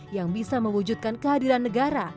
yang bisa mewujudkan kehadiran negara